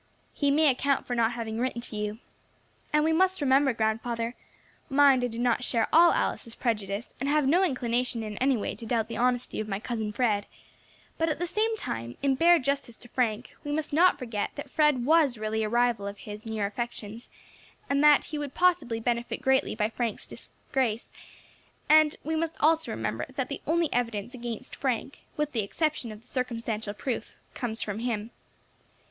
He may account for not having written to you. And we must remember, grandfather mind I do not share all Alice's prejudice, and have no inclination in any way to doubt the honesty of my cousin Fred but at the same time, in bare justice to Frank, we must not forget that Fred was really a rival of his in your affections, and that he would possibly benefit greatly by Frank's disgrace, and, we must also remember that the only evidence against Frank, with the exception of the circumstantial proof, comes from him.